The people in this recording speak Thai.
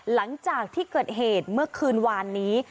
หลังจากที่เกิดเหตุเมื่อคืนวานนี้